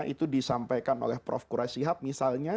itu disampaikan oleh prof quraish shihab misalnya